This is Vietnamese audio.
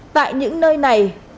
tại những nơi này